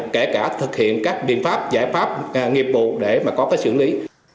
kể cả thực hiện các biện pháp giải pháp nghiệp vụ để mà có cái xử lý